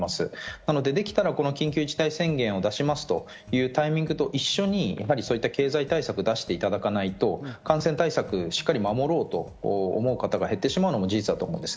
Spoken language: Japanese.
なのでできたらこの緊急事態宣言を出しますというタイミングと一緒に経済対策を出していただかないと感染対策をしっかり守ろうと思う方が減ってしまうのも事実だと思います。